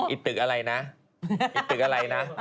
อีกตึกอะไรนะอีกตึกอะไรนะ